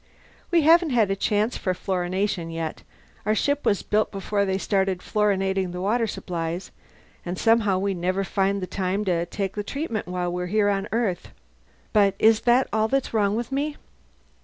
"We haven't had a chance for fluorination yet. Our ship was built before they started fluorinating the water supplies, and somehow we never find time to take the treatment while we're on Earth. But is that all that's wrong with me?"